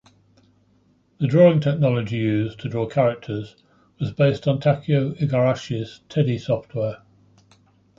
The drawing technology used to draw characters was based on Takeo Igarashi's "Teddy" software.